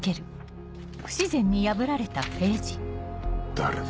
誰だ？